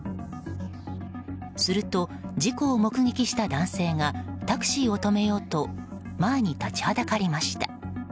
すると、事故を目撃した男性がタクシーを止めようと前に立ちはだかりました。